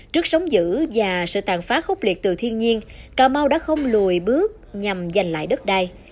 trước sóng giữ và sự tàn phá khốc liệt từ thiên nhiên cà mau đã không lùi bước nhằm giành lại đất đai